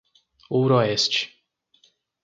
Ouroeste